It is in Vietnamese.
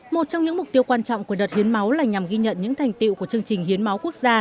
một trong những mục tiêu quan trọng của đợt hiến máu là nhằm ghi nhận những thành tiệu của chương trình hiến máu quốc gia